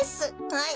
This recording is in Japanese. はい。